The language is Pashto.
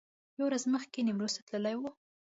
یوه ورځ مخکې نیمروز ته تللي و.